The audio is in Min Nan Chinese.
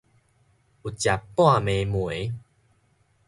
有食半暝糜